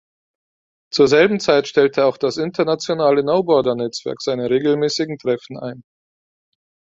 Zur selben Zeit stellte auch das internationale „No Border“-Netzwerk seine regelmäßigen Treffen ein.